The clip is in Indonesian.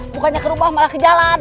bukannya ke rumah malah ke jalan